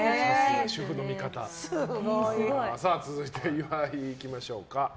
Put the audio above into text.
続いて、岩井いきましょうか。